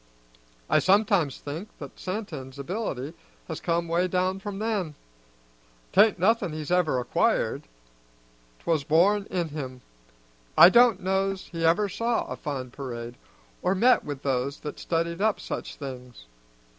I sometimes think that Santin's ability has come 'way down from then. 'Tain't nothin' he's ever acquired; 'twas born in him. I don't know's he ever saw a fine parade, or met with those that studied up such things.